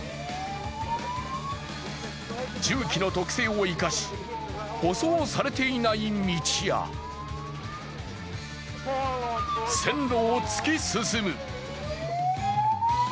重機の特性を生かし、舗装されていない道や線路を突き進む。